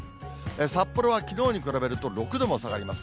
札幌はきのうに比べると６度も下がります。